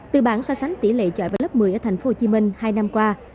từ bản so sánh tỷ lệ trọi vào lớp một mươi ở tp hcm hai năm qua